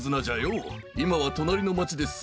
いまはとなりのまちです